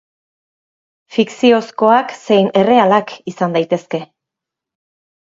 Fikziozkoak zein errealak izan daitezke.